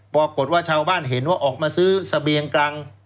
ปรากฏว่าชาวบ้านเห็นว่าออกมาซื้อเสบียงกรัง